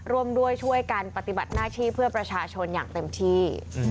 ร่วมด้วยช่วยกันปฏิบัติหน้าที่เพื่อประชาชนอย่างเต็มที่